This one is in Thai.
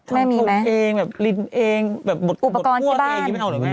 ไม่มีมั้ยอุปกรณ์ที่บ้านเนี่ยเนี่ยทางโทรเองถ้าลิ้นเองอุปกรณ์ที่บ้าน